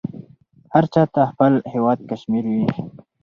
هر چاته خپل هیواد کشمیر وې.